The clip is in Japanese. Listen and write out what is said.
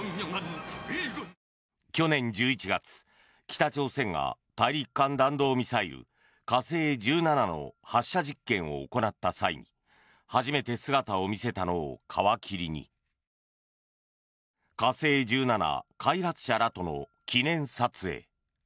去年１１月、北朝鮮が大陸間弾道ミサイル、火星１７の発射実験を行った際に初めて姿を見せたのを皮切りに火星１７開発者らとの記念撮影。